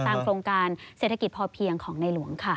โครงการเศรษฐกิจพอเพียงของในหลวงค่ะ